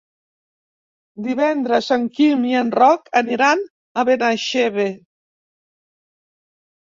Divendres en Quim i en Roc aniran a Benaixeve.